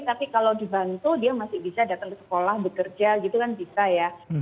tapi kalau dibantu dia masih bisa datang ke sekolah bekerja gitu kan bisa ya